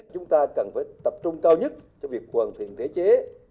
chúng ta cần phải tập trung cao nhất cho việc hoàn thiện thể chế